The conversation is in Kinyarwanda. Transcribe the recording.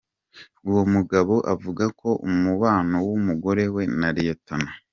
Uwo mugabo avuga ko umubano w’umugore we na Lt.